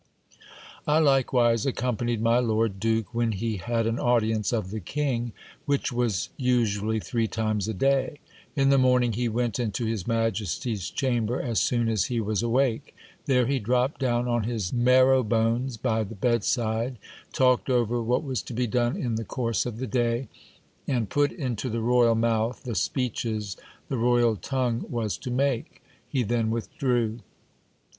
I likewise accompanied my lord duke when he had an audience of the king, which was usually three times a day. In the morning he went into his majesty's chamber as soon as he was awake. There he dropped down on his marrow bones by the bed side, talked over what was to be done in the course of the day, and put into the royal mouth the speeches the royal tongue was to make. He then withdrew.